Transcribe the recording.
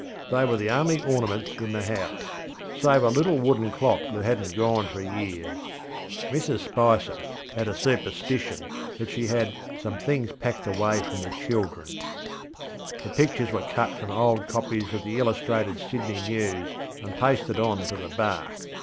They were the only ornaments in the house, save a little wooden clock that hadnŌĆÖt gone for years. Mrs Spicer had a superstition that she had ŌĆśsome things packed away from the children. ŌĆÖ The pictures were cut from old copies of the Illustrated Sydney News and pasted on to the bark.